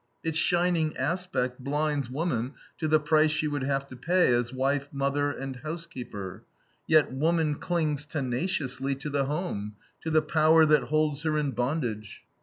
Its shining aspect blinds woman to the price she would have to pay as wife, mother, and housekeeper. Yet woman clings tenaciously to the home, to the power that holds her in bondage.